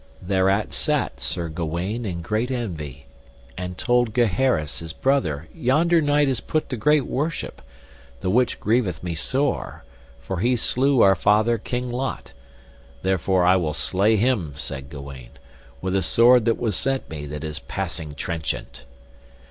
Thereat sat Sir Gawaine in great envy and told Gaheris his brother, yonder knight is put to great worship, the which grieveth me sore, for he slew our father King Lot, therefore I will slay him, said Gawaine, with a sword that was sent me that is passing trenchant.